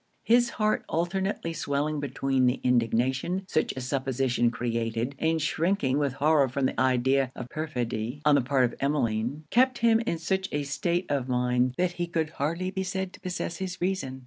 His heart alternately swelling between the indignation such a supposition created and shrinking with horror from the idea of perfidy on the part of Emmeline, kept him in such a state of mind that he could hardly be said to possess his reason.